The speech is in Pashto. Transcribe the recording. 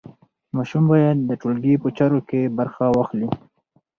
ماشوم باید د ټولګي په چارو کې برخه واخلي.